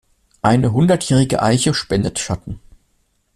Eine hundertjährige Eiche spendet Schatten.